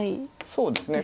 そうですね。